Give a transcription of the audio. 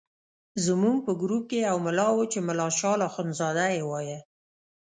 زموږ په ګروپ کې یو ملا وو چې ملا شال اخندزاده یې وایه.